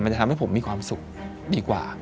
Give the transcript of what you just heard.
จะทำให้ผมมีความสุขดีกว่า